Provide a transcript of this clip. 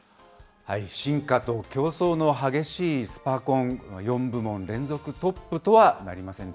進化と競争の激しいスパコン、４部門連続トップとはなりません